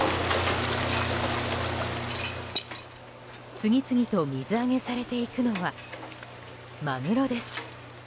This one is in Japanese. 次々と水揚げされていくのはマグロです。